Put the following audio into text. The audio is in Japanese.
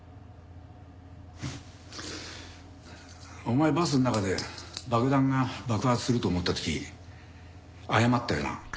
お前バスの中で爆弾が爆発すると思った時謝ったよな？